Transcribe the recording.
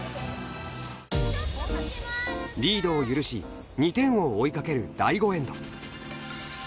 リードを許し２点を追いかける第５エンド。